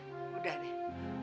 topan udah deh